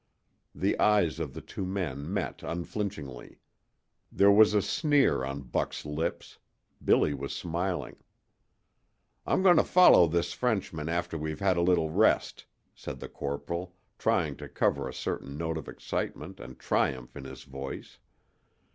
The eyes of the two men met unflinchingly. There was a sneer on Buck's lips; Billy was smiling. "I'm going to follow this Frenchman after we've had a little rest," said the corporal, trying to cover a certain note of excitement and triumph in his voice.